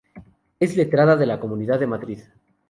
Es letrada de la Comunidad de Madrid.